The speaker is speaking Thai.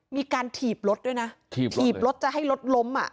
มีการถีบรถด้วยนะถีบรถจะให้รถล้มอ่ะ